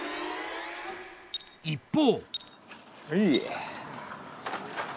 一方。